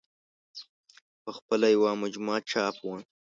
په خپله یې یوه مجموعه چاپ وه.